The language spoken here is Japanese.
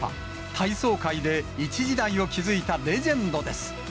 体操界で一時代を築いたレジェンドです。